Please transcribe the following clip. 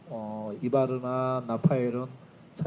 saya ingin memberi pengetahuan kepada para pemain timnas indonesia